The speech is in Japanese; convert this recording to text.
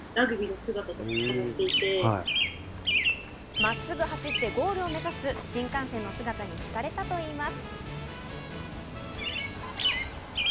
真っすぐ走ってゴールを目指す新幹線の姿に惹かれたといいます。